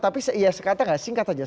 tapi se iya sekata nggak singkat saja